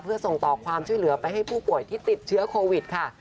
เพื่อส่งต่อความช่วยเหลือไปให้ผู้ป่วยที่ติดเชื้อโควิดค่ะ